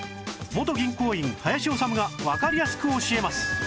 元銀行員林修がわかりやすく教えます